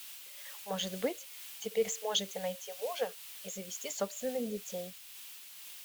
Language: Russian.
Может быть, теперь сможете найти мужа и завести собственных детей.